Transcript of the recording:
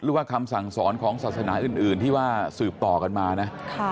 คำสั่งสอนของศาสนาอื่นที่ว่าสืบต่อกันมานะ